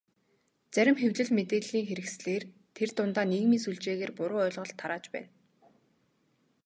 Зарим хэвлэл, мэдээллийн хэрэгслээр тэр дундаа нийгмийн сүлжээгээр буруу ойлголт тарааж байна.